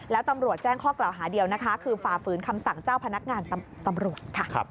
แล้วตำรวจแจ้งข้อกล่าวหาเดียวนะคะคือฝ่าฝืนคำสั่งเจ้าพนักงานตำรวจค่ะ